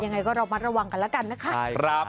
อย่างไรก็รอมาระวังกันละกันนะคะ